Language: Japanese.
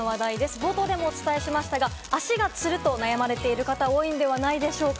冒頭でもお伝えしましたが、足がつると悩まれている方も多いんじゃないでしょうか？